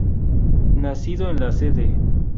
Nacido en la cd.